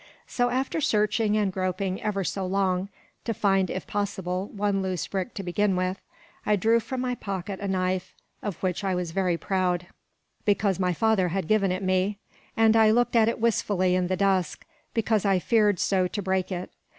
So, after searching and groping, ever so long, to find, if possible, one loose brick to begin with, I drew from my pocket a knife, of which I was very proud, "because my father had given it me; and I looked at it wistfully in the dusk, because I feared so to break it.